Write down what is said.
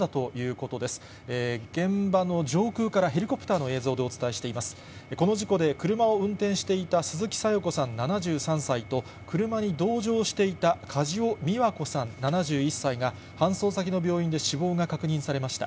この事故で、車を運転していた鈴木小夜子さん７３歳と、車に同乗していた梶尾美和子さん７１歳が、搬送先の病院で死亡が確認されました。